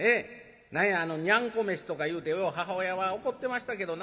何やあのにゃんこ飯とかいうてよう母親は怒ってましたけどな。